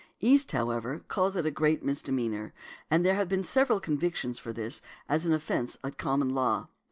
East, however, calls it a great misdemeanor; and there have been several convictions for this as an offence at Common Law.